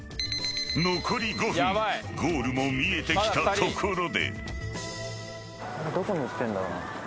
［残り５分ゴールも見えてきたところで］